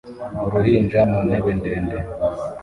Uruhinja mu ntebe ndende